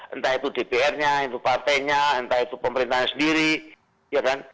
entah itu dpr nya itu partainya entah itu pemerintahnya sendiri ya kan